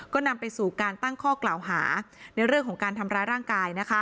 ก็นำไปสู่การตั้งข้อกล่าวหาในเรื่องของการทำร้ายร่างกาย